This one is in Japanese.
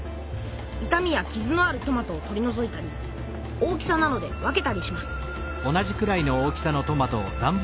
いたみやきずのあるトマトを取りのぞいたり大きさなどで分けたりします